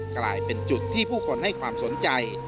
กลายเป็นจุดที่ผู้คนให้ความสนใจ